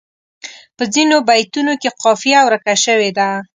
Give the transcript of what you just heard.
په ځینو بیتونو کې قافیه ورکه شوې ده.